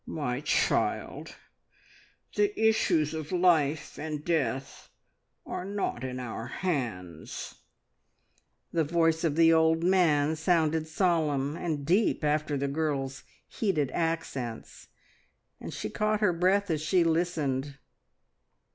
"My child, the issues of life and death are not in our hands!" The voice of the old man sounded solemn and deep after the girl's heated accents, and she caught her breath as she listened.